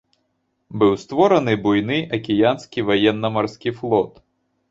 Быў створаны буйны акіянскі ваенна-марскі флот.